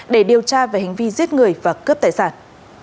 để điều tra về hành vi giết người và cướp tài sản